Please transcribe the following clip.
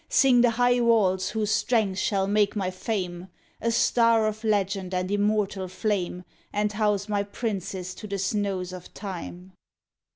Sing the high walls whose strength shall make my fame A star of legend and immortal flame, And house my princes to the snows of Time!"